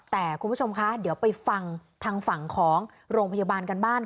แต่คุณผู้ชมคะเดี๋ยวไปฟังทางฝั่งของโรงพยาบาลกันบ้าง